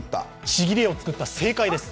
ちぎり絵を作った、正解です。